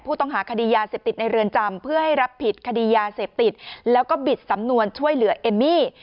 ผู้ต้องหาคดียาเสพติดในเรือนจำเพื่อให้รับผิดคดียาเสพติดแล้วก็บิดสำนวนช่วยเหลือเอมมี่